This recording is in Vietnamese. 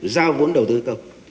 giao vốn đầu tư công